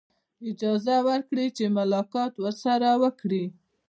اجازه ورکړي چې ملاقات ورسره وکړي.